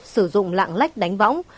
sử dụng lạng lách đánh võng